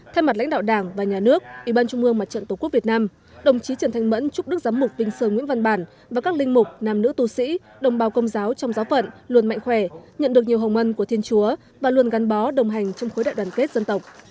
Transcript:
thay mặt lãnh đạo đảng và nhà nước ủy ban trung mương mặt trận tổ quốc việt nam đồng chí trần thanh mẫn chúc đức giám mục vinh sơn nguyễn văn bản và các linh mục nàm nữ tù sĩ đồng bào công giáo trong giáo phận luôn mạnh khỏe nhận được nhiều hồng ân của thiên chúa và luôn gắn bó đồng hành trong khối đại đoàn kết dân tộc